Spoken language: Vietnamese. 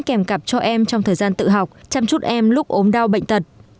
kèm cặp cho em trong thời gian tự học chăm chút em lúc ốm đau bệnh tật